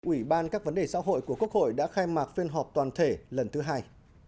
ủy ban các vấn đề xã hội của quốc hội đã khai mạc phiên họp toàn thể lần thứ hai